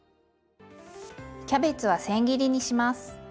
キャベツはせん切りにします。